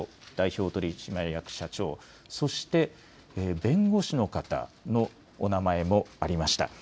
藤島ジュリー景子代表取締役社長、そして弁護士の方のお名前もありました。